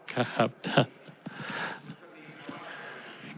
ครับท่าน